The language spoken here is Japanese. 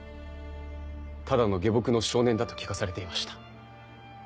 ただの下僕の少年だと聞かされていました。